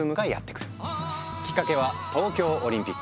きっかけは東京オリンピック。